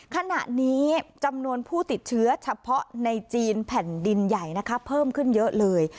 ขณะนี้จำนวนผู้ติดเชื้อเฉพาะในจีนแผ่นดินใหญ่นะคะเพิ่มขึ้นเยอะเลย